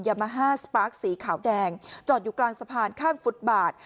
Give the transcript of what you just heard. ยามาฮ่าสปาร์คสีขาวแดงจอดอยู่กลางสะพานข้างฟุตบาท